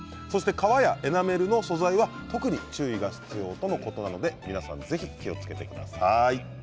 革やエナメルの素材は特に注意が必要とのことなのでぜひ気をつけてください。